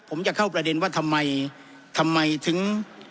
ผมจะเข้าประเด็นว่าทำไมทำไมถึง